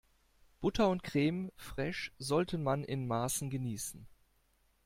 Butter und Creme fraiche sollte man in Maßen genießen.